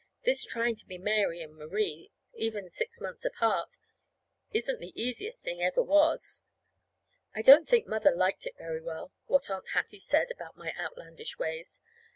This trying to be Mary and Marie, even six months apart, isn't the easiest thing ever was!) I don't think Mother liked it very well what Aunt Hattie said about my outlandish ways.